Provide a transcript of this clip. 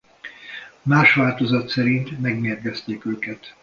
Más változat szerint megmérgezték őket.